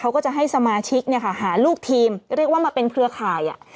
เขาก็จะให้สมาชิกเนี่ยค่ะหาลูกทีมเรียกว่ามาเป็นเครือข่าย